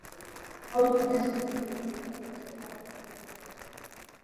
Ngombe wanaweza kuathiriwa na ugonjwa wa homa ya bonde la ufa